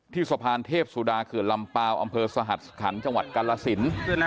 ที่สะพานเทพสุดาเกลือลำเปลาอำเภอสหรรษฐขันต์จังหวัดกรรละสิน